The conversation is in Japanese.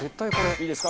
いいですか？